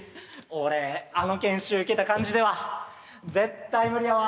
俺あの研修受けた感じでは絶対無理やわ。